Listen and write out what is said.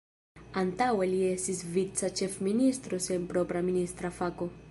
Antaŭe li estis vica ĉefministro sen propra ministra fako.